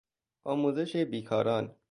آموزش بیکاران